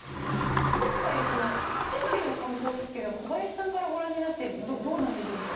今回世界の観光地っていうのは小林さんからご覧になってどうなんでしょうか？